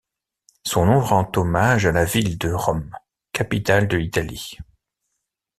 Son nom rend hommage à la ville de Rome, capitale de l'Italie.